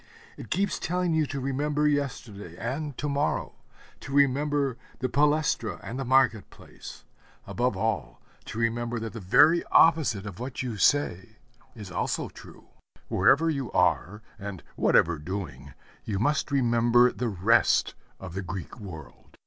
It keeps telling you to remember yesterday and to morrow; to remember the palæstra and the market place; above all to remember that the very opposite of what you say is also true. Wherever you are, and whatever doing, you must remember the rest of the Greek world.